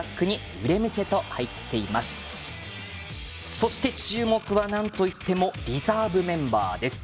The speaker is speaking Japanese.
そして、注目はなんといってもリザーブメンバーです。